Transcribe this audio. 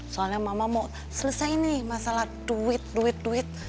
soalnya mama mau selesai nih masalah duit duit duit